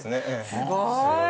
すごい！